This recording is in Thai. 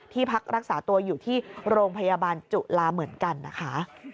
พักรักษาตัวอยู่ที่โรงพยาบาลจุลาเหมือนกันนะคะ